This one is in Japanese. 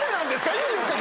いいんですか？